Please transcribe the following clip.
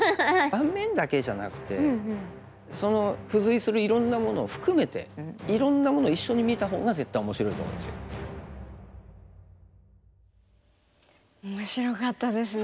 盤面だけじゃなくてその付随するいろんなものを含めていろんなものを一緒に見たほうが絶対面白いと思うんですよ。面白かったですね。